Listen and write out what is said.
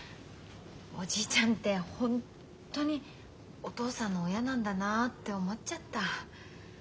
おじいちゃんってホンットにお父さんの親なんだなって思っちゃった。